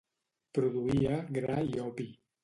Produïa gra i opi.